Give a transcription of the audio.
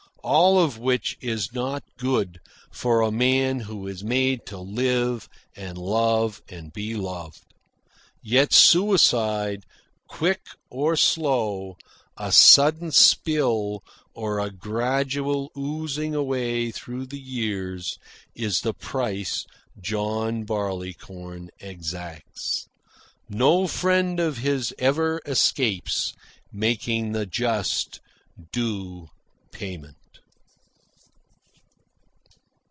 All of which is not good for a man who is made to live and love and be loved. Yet suicide, quick or slow, a sudden spill or a gradual oozing away through the years, is the price John Barleycorn exacts. No friend of his ever escapes making the just, due payment.